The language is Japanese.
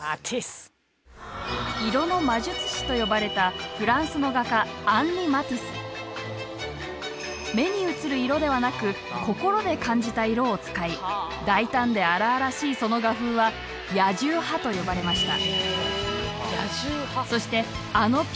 「色の魔術師」と呼ばれたフランスの画家目に映る色ではなく心で感じた色を使い大胆で荒々しいその画風は「野獣派」と呼ばれました。